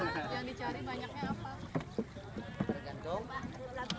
terus berapa jual lagi di mana